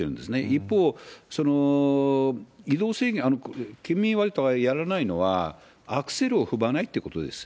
一方、移動制限、県民割とかやらないのは、アクセルを踏まないってことです。